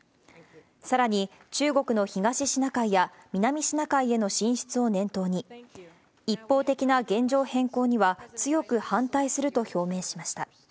さらに、中国の東シナ海や南シナ海への進出を念頭に、一方的な現状変更には強く反対すると表明しました。